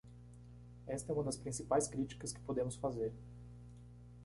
Esta é uma das principais críticas que podemos fazer.